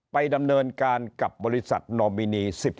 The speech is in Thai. ไปดำเนินการกับบริษัทนอมินี๑๔